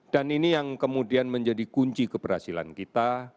dan ini yang kemudian menjadi kunci keberhasilan kita